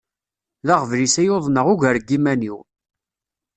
D aɣbel-is ay uḍneɣ ugar n yiman-iw.